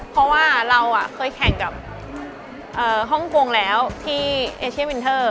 เพราะว่าเราเคยแข่งกับฮ่องกงแล้วที่เอเชียวินเทอร์